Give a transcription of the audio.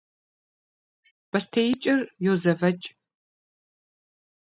Бостеикӏэр йозэвэкӏ.